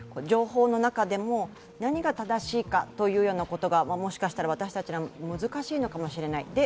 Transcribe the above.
情報の中でも、何が正しいかというようなことがもしかしたら私たちには難しいのもかしれない。